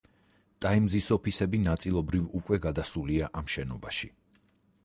ტაიმზის ოფისები ნაწილობრივ უკვე გადასულია ამ შენობაში.